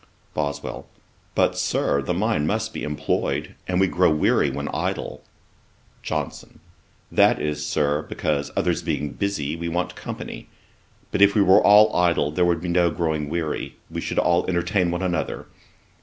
BOSWELL. 'But, Sir, the mind must be employed, and we grow weary when idle.' JOHNSON. 'That is, Sir, because, others being busy, we want company; but if we were all idle, there would be no growing weary; we should all entertain one another.